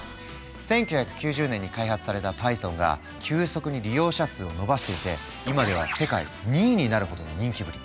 １９９０年に開発されたパイソンが急速に利用者数を伸ばしていて今では世界２位になるほどの人気ぶり。